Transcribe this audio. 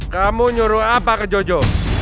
kamu nyuruh apa ke jojo